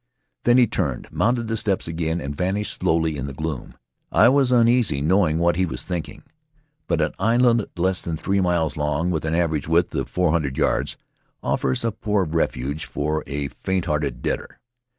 Then he turned, mounted the steps again, and vanished slowly in the gloom. I was uneasy, knowing what he was thinking; but an island less than three miles long, with an average width of four hundred yards, offers a poor refuge for a faint hearted debtor.